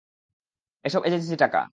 এসব এজেন্সির টাকা।